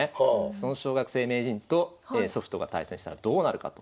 その小学生名人とソフトが対戦したらどうなるかと。